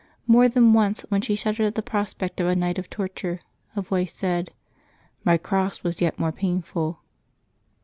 More than once, when she shuddered at the prospect of a night of torture, a voice said, " My cross was yet more painful."